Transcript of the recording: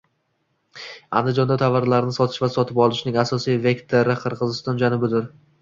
Andijonda tovarlarni sotish va sotib olishning asosiy vektori Qirg'iziston janubidir